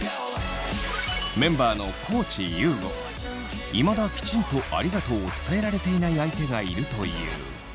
メンバーのいまだきちんと「ありがとう」を伝えられていない相手がいるという。